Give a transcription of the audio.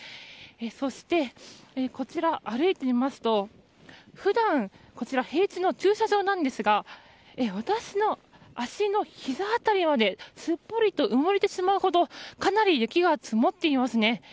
そして、歩いてみますと普段、平地の駐車場なんですが私の足のひざ辺りまですっぽりと埋もれてしまうほどかなり雪が積もっていますね。